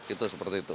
itu seperti itu